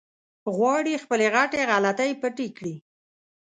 غواړي خپلې غټې غلطۍ پټې کړي.